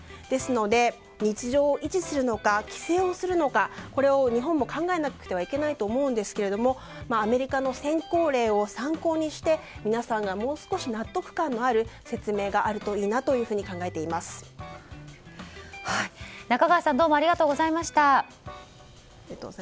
ですので、日常を維持するのか規制をするのか日本も考えなくてはいけないと思うんですけれどもアメリカの先行例を参考にして皆さんがもう少し納得感のある説明があるなといいなと中川さんありがとうございました。